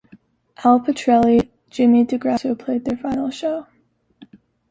Al Pitrelli, Jimmy DeGrasso played their final show.